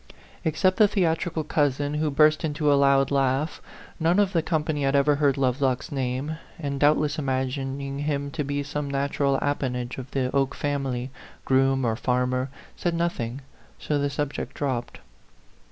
Ex cept the theatrical cousin, who burst into a loud laugh, none of the company had ever heard Lovelock's name, and, doubtless imag ining him to be some natural appanage of the Oke family, groom or farmer, said noth ing ; so the subject dropped.